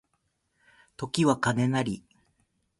時は金なり